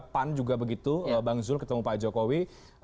pan juga begitu bang zul ketemu pak jokowi